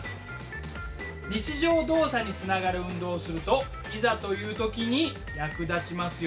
日常動作につながる運動をするといざという時に役立ちますよ。